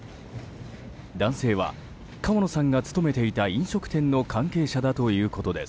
男性は川野さんが勤めていた飲食店の関係者だということです。